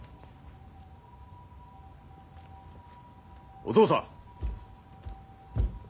お父さん！